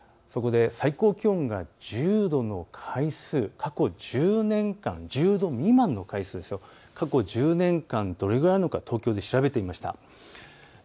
最高気温が１０度の回数、過去１０年間に１０度未満の回数、過去１０年間どれくらいあるのか東京で調べてみました。